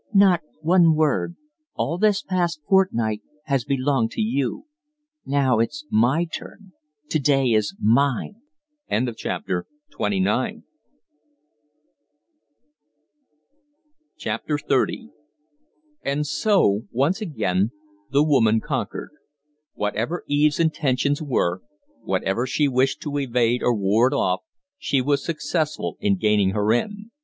"Not one word! All this past fortnight has belonged to you; now it's my turn. To day is mine." XXX And so, once again, the woman conquered. Whatever Eve's intentions were, whatever she wished to evade or ward off, she was successful in gaining her end.